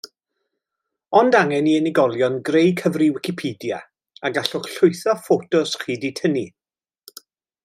Ond angen i unigolion greu cyfri Wicipedia a gallwch lwytho ffotos chi 'di tynnu.